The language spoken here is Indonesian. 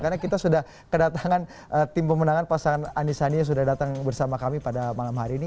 karena kita sudah kedatangan tim pemenangan pasangan anis anis yang sudah datang bersama kami pada malam hari ini